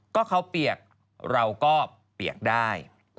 ก็เขาเปียกเราก็เปียกได้